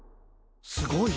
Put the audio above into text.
すごい！